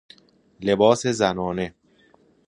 لباس زنانه